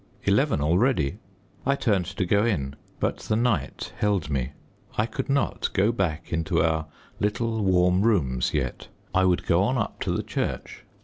Eleven already! I turned to go in, but the night held me. I could not go back into our little warm rooms yet. I would go up to the church.